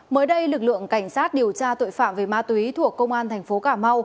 mới đây lực lượng cảnh sát điều tra tội phạm về ma túy thuộc công an tp hcm